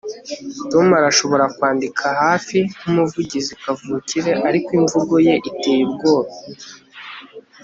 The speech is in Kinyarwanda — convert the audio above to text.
Tom arashobora kwandika hafi nkumuvugizi kavukire ariko imvugo ye iteye ubwoba